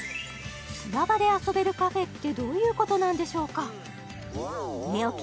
砂場で遊べるカフェってどういうことなんでしょうか？